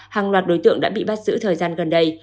hàng loạt đối tượng đã bị bắt giữ thời gian gần đây